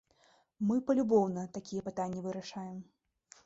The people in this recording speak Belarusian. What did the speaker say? Мы палюбоўна такія пытанні вырашаем.